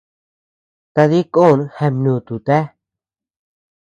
Tadï kon jabnututa.